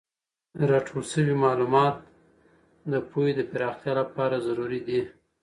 راټول سوی معلومات د پوهې د پراختیا لپاره ضروري دي.